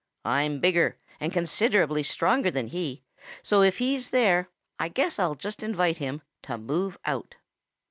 I'm bigger and considerably stronger than he, so if he's there, I guess I'll just invite him to move out."